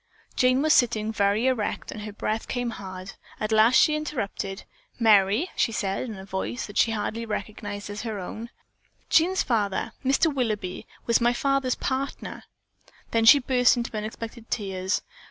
Jane was sitting very erect and her breath came hard. At last she interrupted. "Merry," she said in a voice she could hardly recognize as her own, "Jean's father, Mr. Willoughby, was my father's partner." Then she burst into unexpected tears.